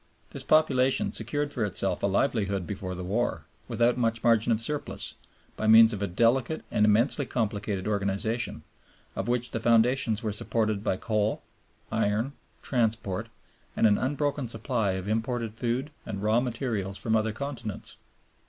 This population secured for itself a livelihood before the war, without much margin of surplus, by means of a delicate and immensely complicated organization, of which the foundations were supported by coal, iron, transport, and an unbroken supply of imported food and raw materials from other continents.